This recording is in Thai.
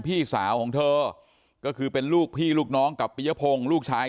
พี่สาวของเธอก็คือเป็นลูกพี่ลูกน้องกับปียพงศ์ลูกชาย